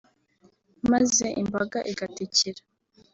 maze imbaga igatikira